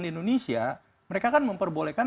di indonesia mereka kan memperbolehkan